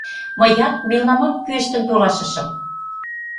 — Мыят мелнамак кӱэштын толашышым.